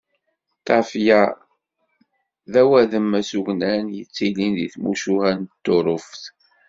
Tafya d awadem asugnan yettilin deg tmucuha n Tuṛuft.